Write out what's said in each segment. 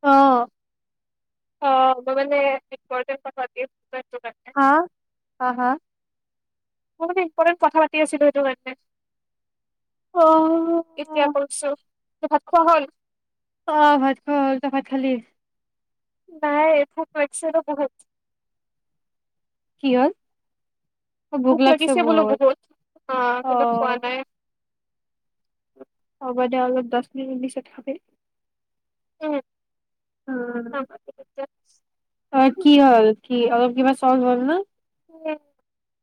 অ অ মই মানে প হা হা হা অক ইম্পৰ্টেন কথা পাতিছিলো সেইটো কাৰণে অ এতিয়া পচ ভাত খোৱা হ'ল অ ভাত খোৱা হ'ল তই ভাত খালি নাই এ খু পছ নো বহুত কি হল ভোক লাগিছে বোলো বহুত অ কিন্ত খোৱা নাই হব দে অলপ দহ মিনিট পিছত খাবি উম, খাম আৰু তেতিয়া। ত কি হল কি অ কিবা চল হল না উ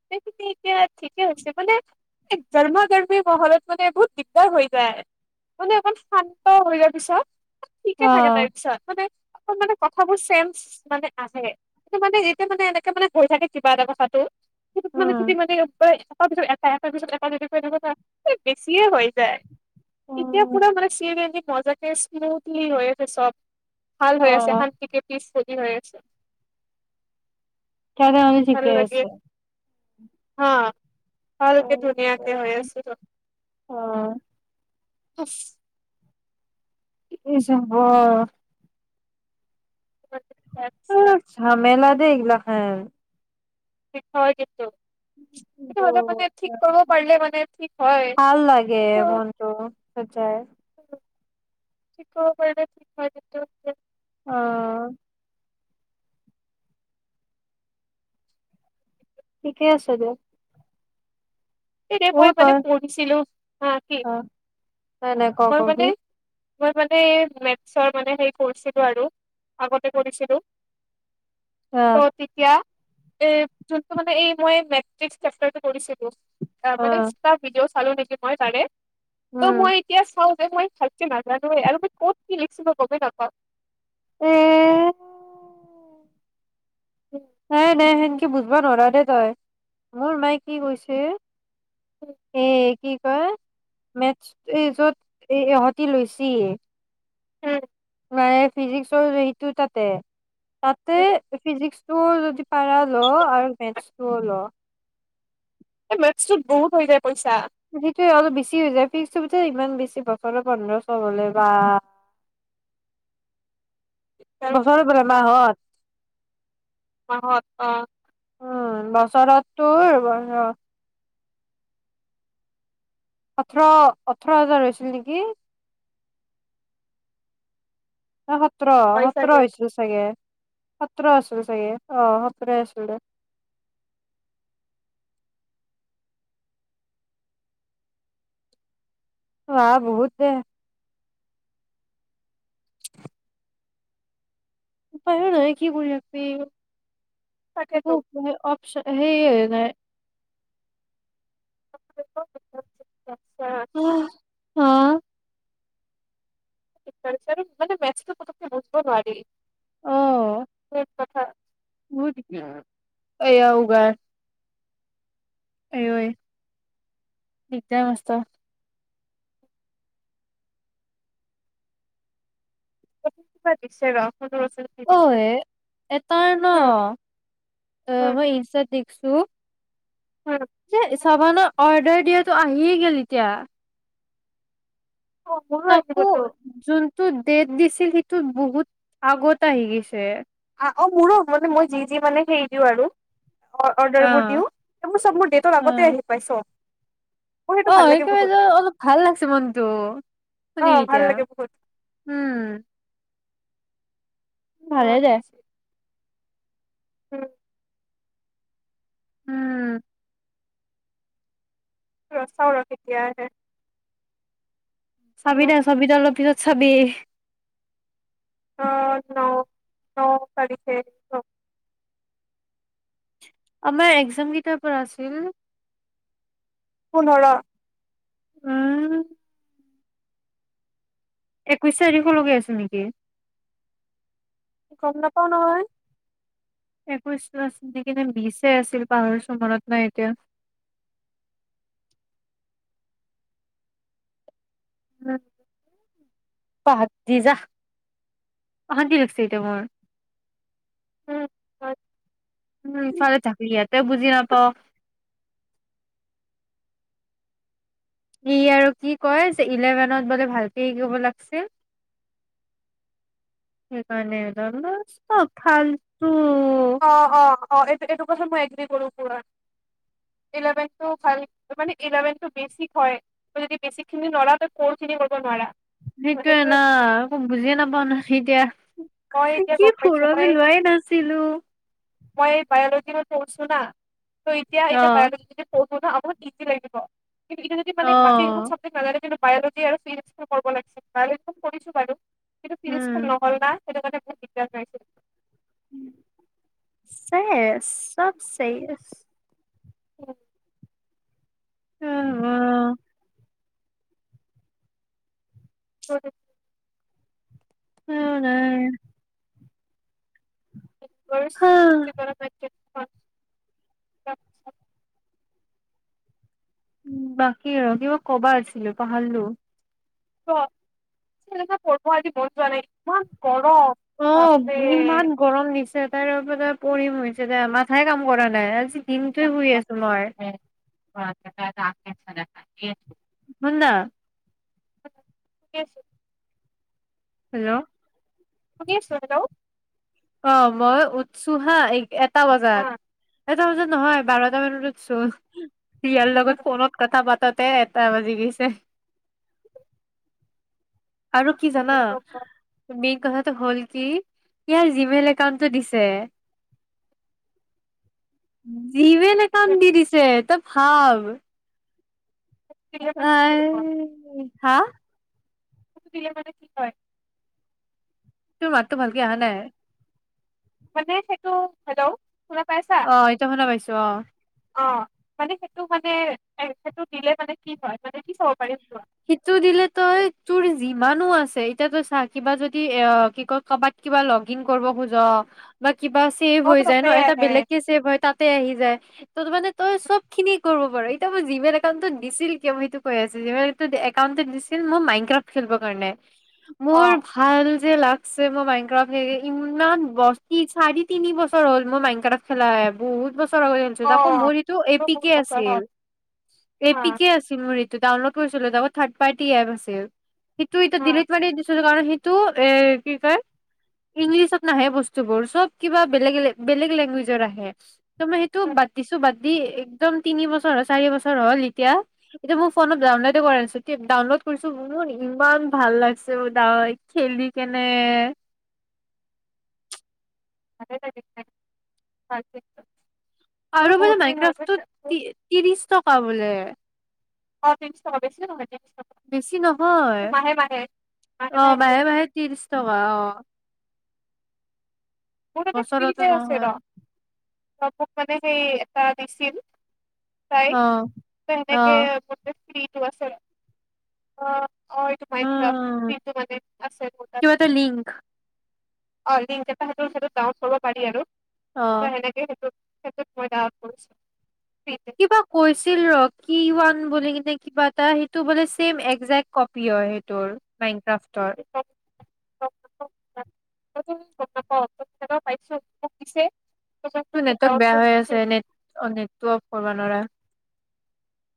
সেইখিনি এতিয়া ঠিকে হৈছে মানে গৰমা গৰমি মহলত মানে বহুত দিগদাৰ হৈ যায় মানে অকমান শান্ত হৈ যোৱাৰ পিছত অ ঠিকে থাকে তাৰপিছত মানে অ মানে কথাবোৰ চেন্ঞ্চ মানে আথাকে সটো মানে যেতিয়া মানে এনেকে মানে কৈ থাকে কিবা এটা কথাাটো মান উম চতি মানে তাৰ পিছত এটা এটা পিছত এটা যদি ক কথা বেছিয়ে হৈ যায় এতিয়া পুৰা মানে অ চিৰি আ মজাকে স্মুথলি হৈ আছে চব ভাল হৈ আছে অ', শান্তিক পিছ কি কৰি আছ তই নো মই জিতি কৰি আছো অ ভালকে ধুনীয়াকে হৈ আছে অ', উফ এইছ অ [unintelligible] অ জেমলা লা হ কি হয় কিন্তু টো ম মানে ঠিক বহুত কৰ পাৰিল মানে ঠিক হয় ভাল লাগে কি মনটো সঁচাই চিকৰ পৰিবেশটো লাগে কিন্তু অ ঠিকেই আছে দিয়ক এতিয়া মই মানে পঢ়িছিলো হা কি অ নাই নাই কও মই কও মানে কি মই মানে মেট্চছৰ মানে হে কৰিছিলো আৰু, আগতে কৰিছিলো ত আহ তেতিয়া এ যোনটো মানে এই মই মেট্ৰিক্ছ চেপ্টাৰটো কৰিছিলো অ মানে আহ ইনষ্টা ভিডিঅ'ছাইচো চালো নেকি মই তাৰে ত উম মই চাও যে মই ভালকে নাজানোয়ে। আৰু ক'ত কি লিখিব গমে নাপাও এ উম, নাই নাই সেনকে বুজবা নোৱাৰ দেই তই, মোৰ মায়ে কি উম, কৈছে- এই কি কয় মেথছ এই যত এ ইহতি লৈছি উম তাৰ ফিজিক্সৰ সিটো তাতে তাতে উম। ফিজিক্স তোৰ যদি পাৰা ল, আৰু মেথছটোও ল এই মেথছ টোত বহুত হৈ যায় পইচা সেইটো অলপ বেছি হৈ যায় ফিক্সটো ইমান বেছি বছৰে পোন্ধৰশ হলে বা তেৰ বছৰত নে মাহত মাহত, অ উম বছৰত তোৰ হব ৰ ওঠৰ ওঠৰ হাজাৰ হৈছিল নেকি হৈ গল [unintelligible] সতৰ হয় সোত্ৰ চাগে হৈছিল চাগে? সোতৰ আছিল চাগে? আহ সোতৰ আছিল আহ বহুত [unintelligible] উপায় ও নাই কি কৰি থাক'বি তাকেতো [unintelligible] অ চে সেই নাই উম হ [unintelligible] [unintelligible] মানে মেথ্ছটো পতককে বুজব নোৱাৰি। স [unintelligible] হয় [unintelligible] [unintelligible] ক উ গা অঐ, একদম মস্ত কিবা দিছে ৰ সৰু ল'ৰা ছোৱালী অ দিছে এটাৰ ন? হম অ হম মই ইনষ্টাত দেখছো হম যে চাবান অৰ্ডাৰ দিয়াতটো আহিয়ে গ'ল এতিয়া। অ মোৰো তাকো, আহিবতো যোন টো ডেট দিছিল সেইটো বহুত আগত আহি গিছে। অ মোৰো, মানে মই যি-যি মানে হেৰি দিওঁ আৰু, অ অৰ্ডাৰবোৰ অ', দিও, এইবোৰ চব মোৰ ডেটৰ আগতে অ', আহি পাই স্ব। অ [unintelligible] অলপ ভাল লাগিছে মনতটো, অ শুনি ভাল এতিয়া, লাগে বহুত উম। অ ভালে দে। [inaudible] উম চাওঁ ৰ কেতিয়া আহে? চাবি উম, দে চাবি তই অলপ পিছত চাবি, অ, ন-ন তাৰিখে [unintelligible] আমাৰ এক্জাম কেইটাৰ পৰা আছিল? পোন্ধৰ হম একৈশ তাৰিখলৈকে আছে নেকি? গম নাপাও নহয়। একৈছ [unintelligible] কিনে বিচে আছিল পাহৰিছোঁ, মনত নাই এতিয়া। [inaudible] পাহ দি যাহ। অশান্তি লাগছে এতিয়া মোৰ। উম হয়। উম ফাল থাকি ইয়াত বুজি নাপাও। ই আৰু কি কয়, যে ইলেভেনত বোলে ভালকে শিকব লাগিছিল, মানে [unintelligible] ফালটো অ অ অ এইটো এইটো [unintelligible] ইলেভেনটো বেছিক হয় যদি বেছিকখিনি নোৱাৰা তই কৰ খিনি কৰিব নোৱাৰা সেইটোয়ে সেইটোৱে না আকো বুজিয়ে নাপাও নহয় এতিয়া মই এতিয়া কি গম পাইছো ফোৰলৈ মই লোৱাই নাছিলো মই এই বাঅলজী [unintelligible] না ত এতিয়া অ এতিয়া [unintelligible] বহুত ইজি লাগিব কিন্তু এতি যদি মানে অ বাকী। কেইখন চাবজেক্ট নাজানে বায়লজি আৰু ফিজ লাগিছে বায়লজিটো কৰিছো বাৰু কিন্তু ফিজিক্সটো উম নহল না সেইটো [unintelligible] চেছ চব চেই উ [inaudible] উম অ উ [inaudible] অ নাই ব প [unintelligible] [inaudible] উ বাকী আৰু কিবা কবা আছিলো পাহৰলো [unintelligible] পঢ়ব আজি মন যোৱা নাই ইমান গৰম অ বাপৰে ইমান গৰম দিছে তাৰে ওপৰত আৰু পঢ়িম হৈছে দে মাথাই কাম কৰা নাই দিনটো শুই আছো মই দিলে [unintelligible] চন্দা থিকেই আছে হেল্ল' শুনি আছোঁ হেল্ল' অ মইয়ো উঠছো হা এই [inaudible] বজাত এটা বজাত নহয় বাৰটা মানত উঠছো [unintelligible] লগত ফোনত কথা পাত তাতে এটা বাজি গৈছে আৰু কি জানা [inaudible] হল কি ইয়াৰ জিমেইল একাউণ্টটো দিছে জিমেইল একাউণ্ট দি দিছে সাও [inaudible] হা? দিলে মানে কি হয় তোৰ মাতটো ভালকে অহা নাই মানে সেইটো হেল্ল' শুনা পাইছা অ এতিয়া শুনা পাইছো অ অ মানে সেইটো মানে এ সেইটো দিলে মানে কি হয় মানে কি চাব পাৰিম চোৱা সেইটো দিলে তই তোৰ যিমানো আছে এতিয়া তই চা কিবা যদি এ কি কয় কবাত কিবা লগ ইন কৰিব খোজ বা কিবা চেভ অ হৈ তো যায় ন তাতে এটা আহে বেলেগকে ছেভ হয় তাতে আহি যায় ত মানে তই চব খিনি কৰিব পাৰো এতিয়া মই জিমেইল একাউণ্টটো দিছিল কিয় মই সেইটো কৈ আছোঁ একাউণ্টটো দিছিল মই মাইনক্ৰাফ্ট খেলিবৰ কাৰণে অ মোৰ ভাল যে লাগছে মই মাইনক্ৰাফ্ট ইমান ব চাৰি তিনি বছৰ হ'ল মই মাইনক্ৰাফ্ট খেলা নাই বহুত বছৰ অ [unintelligible] আকৌ মোৰ ইটো মোৰো বহুত এপিকে বছৰ আছিল হ'ল হা এপিকে আছিল মোৰ ইট ডাউনলোড কৰিছিলো তাৰ থাৰ্ড পাৰ্টি এপ আছিল [unintelligible] হা ডিলিট মাৰি দিছোঁ কাৰণ সেইটো এ কি কয় ইংলিছত নাহে বস্তুবোৰ চব কিবা বেলেগ বেলেগ লেংগুৱেজৰ আহে ত মই সেইটো হা, বাতদিছো দি একদম তিনি বছৰ হ চাৰি বছৰ হ'ল এতিয়া এতিয়া মোৰ ফোনত যাওঁ ন আছো ডাউনলোড কৰিছো মোৰ ইমান ভাল লাগিছে খেলি কেনে [unintelligible] বোলো আৰু বো বহুত দিন হ'ল মাইক্ৰফ বুজিছা। ত্ৰিশ টকা বলে অ ত্ৰিশ টকা বেচিও নহয় তিনিশ টকা বেছি নহয় মাহে মাহে আহ মাহে মাহে ত্ৰিশ টকা আহ তাতে ফ্ৰীতে আছে নহয় ৰ চপ বুক মে সেই এটা দিছিল অ। অ', তে যে বট কিবাছে অ অ এইটো উম, মাইনক্রাফ লিংক টো মানে আছে মুৰ তাত কিবা এটা লিংক অ লিংক এটাহে গাঁৱত চব পাৰি আৰু অ', ত সেনেকে আছে কিবা কৈছিল ৰ কিবা বেলেগ এটা কিবা এটা সেইটো বোলে চেম একজেক কপি হয় সেইটো আৰু বেংক পাচ [unintelligible] কিবা পাইছো তোক দিছে ত মই তটো সেইটো নেটৱৰ্ক ডাউনলোড বেয়া কৰি হৈ দিছো। আছে নেট নেটটো অফ কৰিব নোৱাৰা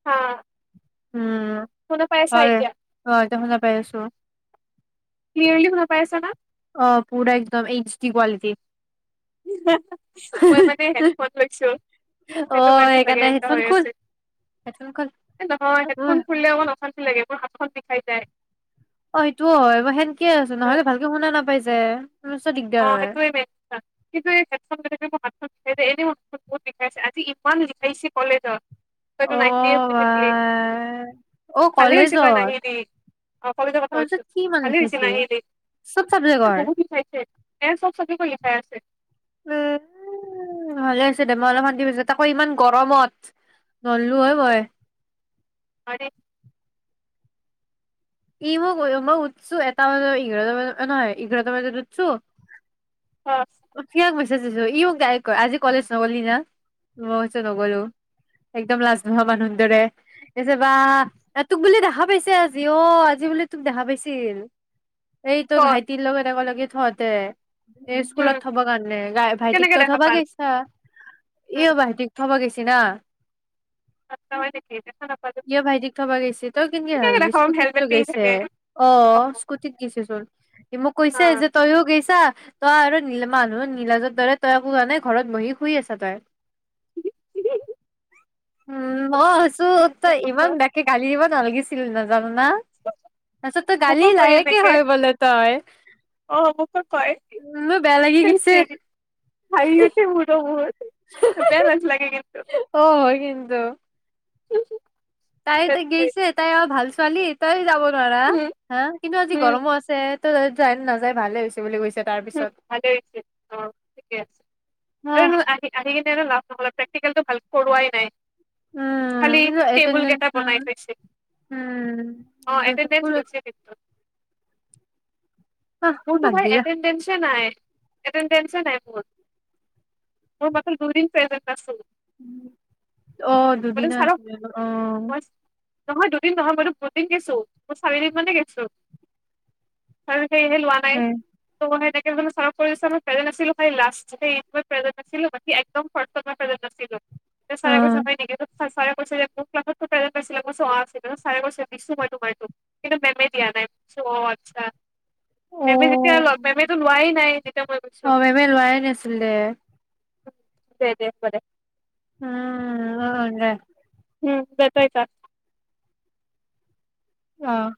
হ উম হয় এতিয়া মই এইটো সময়ত পাই ছো ক্লিয়াৰলি শুনা পাই আছ না কি কোৱালিটি মই মানে হেডফোন লৈছো সেইটো অ', কাৰণে চাগে সেইকাৰণে এনেুৱা হেডফোন হৈ খুল আছে হেডফোন খুল হয় অ', হেডফোন খুলিলে অকণমান অশান্তি লাগে ত হেড খন বিষাই যায় অ এইটোও হয় মই সেনকে আছো নহলে ভালকে শুনা নাপাইছ যে মস্ত অ দিগদাৰ হয় সেইটোৱে মেইন কিন্তু মাত স এনে বহুত লিখাইছে আজি ইমান লিখাইছে কলেজত তইতো নাহিলি অ', শুই থাকিলি বাই অ', ভালে হৈছে তই কলেজত নাহিলি অ কলেজৰ কথা কৈছো কলেজত কি ইমান ভালে হৈছে লিখাইছে নাহিলি চব চাবজেক্টৰ বহুত লিখাইছে এ চব চাবজেকৰ লিখাইছে উ ভালে হৈছে দে মই অলপ অশান্তি পাইছো তাকৌ ইমান গৰমত নললো হয় মই আৰে ই মই মই উঠছো এটা ব ইঘাৰত নহয় ইঘাৰত বজাত উঠছো বাচ উঠিয়ে গ ই ম আজি কলেজ নগলি না মই কৈছো নগলো একদম লাজ নোহোৱা মানুহ দৰে তছে বা তোক বোলে দেখা পাইছে আজি অ আজি বোলে তোক দেখা পাইছিল এই ক তই ভাইটিৰ লগত একে লগে তহতে এই উম স্কুলত কাৰণে গাই ভাইটিক কেনেকে তই দেখা থবা পাল গৈছা উম ই ভাইটিক থব গৈছি না আচ্ছা হয় নেকি দেখা নাপালো ইিয় ভাইটিক থবা গৈছে তই কেনেকে ভাবি দেখা পাম স্কুটিত হেলমেট লৈ পিন্ধি গৈছে থাকে। অ স্কুটিত গৈছচোন মোক কৈছে যে তইয়ও গৈছা ত আৰু আৰু মানুহ নীলাজৰ দৰে তইো জোৱা নাই ঘৰত বহি শুই আছা তই উ উম মই আছো তই ইমান বোকে গালি দিব নালাগিছিল ছিল হা পাছত গালি মোকো কয় লাহেকে এনেকে হয় বোলে তই অ মোকো কয় লাগি গৈছে হাঁহি ওঠে মোৰ বহুত বেয়া লাজ লাগে কিন্তু অ হয় কিন্তু জ জ তাই ত গৈছে তাই আৰ ভাল ছোৱালী তই‌ যাব না উম হা কিন্তু আজি উম গৰমো আছে ত তাত যায় নাযায় ভালে হৈছে বুলি কৈছে তাৰ পিছত ভালেই অ ঠিকে আছে অহ আৰু আহি আহি কিনে লাভ তম প্ৰে্টিকেলটো ভালকে কৰোৱাই নাই খালি‌ টেবুল কেইটা বনাই থৈছে অ এটেনডেছ‌টো‌ আছে কিন্তু অ বাদ দিয়া শুনিছে ‌নাই এটেনডেছ নাই মোৰ উম অঁ মানে দুদিন ছাৰক আছিল অঁ মই নহয় দুদিন নহয় মাৰো দুদিন গেইছো মোৰ চাৰিদিন মানে গেছো চি সেই হ লোৱা নাই মই তাকে বুলু‌ চাৰক কৈ আছিলো প্ৰেজেন্ট আছিলো চাৰে কৈছে হয় নেকি চাৰে কৈ যে মোকতাইছিলে মই আছিল ছাৰে কৈছে বিছু ম মাৰটো কিন্তু মেমে দিয়া নাই চ আচ্ছা তুমি যেতিয়া মেম এইটো লোৱাই নাই যেতিয়া মই কৈছো দে দে উম অন উম যাতাই ত অঁ